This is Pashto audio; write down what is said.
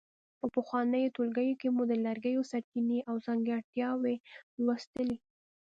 په پخوانیو ټولګیو کې مو د لرګیو سرچینې او ځانګړتیاوې لوستلې.